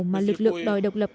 mà lực lượng đòi độc lập